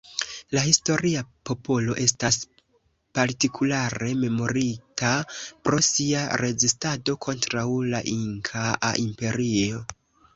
La historia popolo estas partikulare memorita pro sia rezistado kontraŭ la Inkaa Imperio.